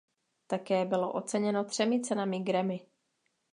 Také bylo oceněno třemi cenami Grammy.